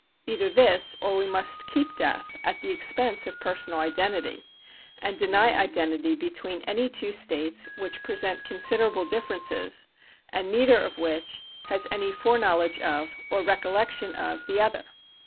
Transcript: Either this, or we must keep death at the expense of personal identity, and deny identity between any two states which present considerable differences and neither of which has any fore knowledge of, or recollection of the other.